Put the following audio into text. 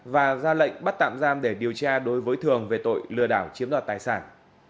và ra lệnh bắt tạm giam để điều tra đối với thường về tội lừa đảo chiếm đoạt tài sản